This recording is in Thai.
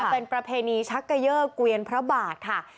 เป็นประเพณีชักเกยอร์เกวียนพระบาทค่ะ